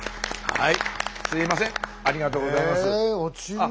はい。